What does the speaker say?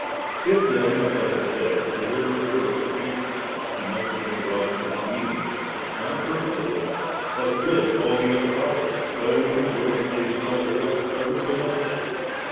If then, as I have said, the Word were creature, He must have been brought into being, not first of them, but with all the other Powers, though in gloiy He excel the rest ever so much.